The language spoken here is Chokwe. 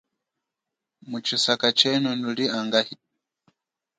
Mutshisaka tshenu nuli angahi.